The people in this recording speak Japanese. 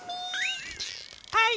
はい。